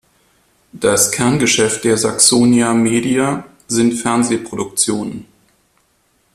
Das Kerngeschäft der Saxonia Media sind Fernsehproduktionen.